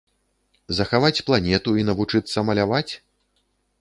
Захаваць планету і навучыцца маляваць?